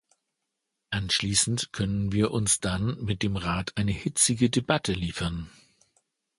Anschließend können wir uns dann mit dem Rat eine hitzige Debatte liefern.